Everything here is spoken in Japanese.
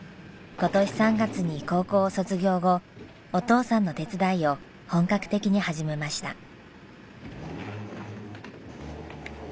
今年３月に高校を卒業後お父さんの手伝いを本格的に始めました。